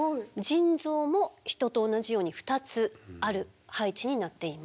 腎臓も人と同じように２つある配置になっています。